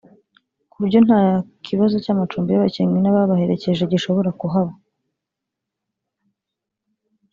ku buryo nta kibazo cy’amacumbi y’abakinnyi n’ababaherekeje gishobora kuhaba